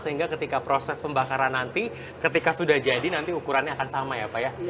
sehingga ketika proses pembakaran nanti ketika sudah jadi nanti ukurannya akan sama ya pak ya